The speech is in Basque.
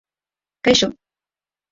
Kaixo.